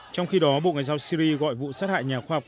trong khi đó bộ ngoại giao syri gọi vụ sát hại nhà khoa học